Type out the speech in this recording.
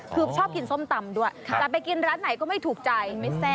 คือชอบกินส้มตำด้วยจะไปกินร้านไหนก็ไม่ถูกใจไม่แซ่บ